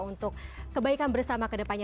untuk kebaikan bersama kedepannya